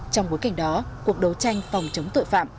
trong bối cảnh đó cuộc đấu tranh phòng chống tội phạm